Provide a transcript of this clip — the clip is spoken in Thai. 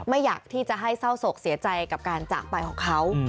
อยากที่จะให้เศร้าโศกเสียใจกับการจากไปของเขา